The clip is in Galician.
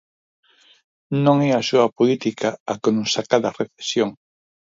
Non é a súa política a que nos saca da recesión.